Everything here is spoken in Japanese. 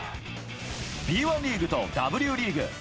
Ｂ１リーグとＷリーグ